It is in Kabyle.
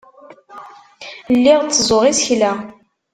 Lliɣ tteẓẓuɣ isekla.